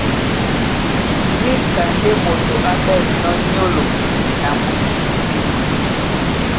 Níka ndé moto á ɓɛ̂nnɔ́ nyólo na mudî.